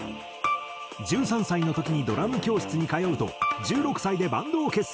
１３歳の時にドラム教室に通うと１６歳でバンドを結成。